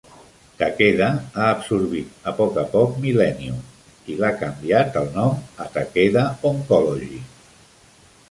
Takeda ha absorbit a poc a poc Millennium i l'ha canviat el nom a Takeda Oncology.